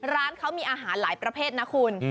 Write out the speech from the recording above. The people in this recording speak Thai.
ร้านเขามีอาหารหลายประเภทนะคุณ